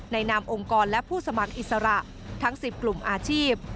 นามองค์กรและผู้สมัครอิสระทั้ง๑๐กลุ่มอาชีพ